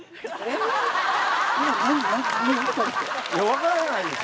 分からないですよ！